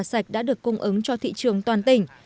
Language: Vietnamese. các sản phẩm đã được cung ứng cho thị trường toàn tỉnh